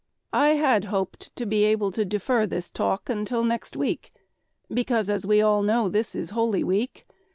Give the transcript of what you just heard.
I had hoped to be able to defer this talk until next week because, as we all know, this is Holy Week.